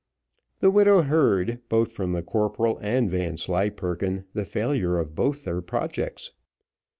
The widow heard, both from the corporal and Vanslyperken, the failure of both their projects.